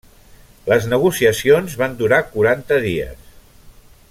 Les negociacions van durar quaranta dies.